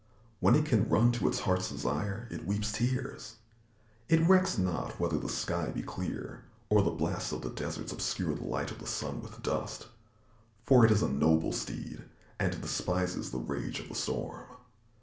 When it can run to its heart's desire, it weeps tears. It recks not whether the sky be clear or the blasts of the desert obscure the light of the sun with dust; for it is a noble steed and despises the rage of the storm.